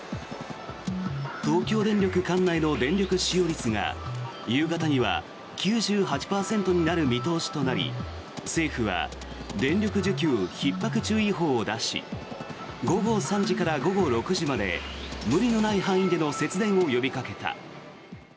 東京電力管内の電力使用率が夕方には９８％になる見通しとなり政府は電力需給ひっ迫注意報を出し午後３時から午後６時まで無理のない範囲での節電を呼びかけた。